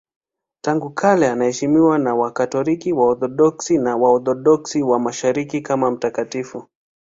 Tangu kale anaheshimiwa na Wakatoliki, Waorthodoksi na Waorthodoksi wa Mashariki kama mtakatifu.